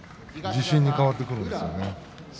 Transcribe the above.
自信に変わってくるんですよね。